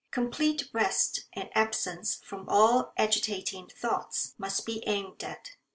Complete rest and absence from all agitating thoughts must be aimed at.